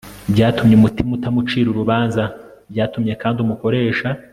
byatumye umutima utamucira urubanza. byatumye kandi umukoresha